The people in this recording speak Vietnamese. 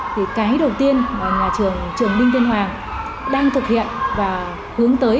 thì cái đầu tiên là nhà trường đinh tiên hoàng đang thực hiện và hướng tới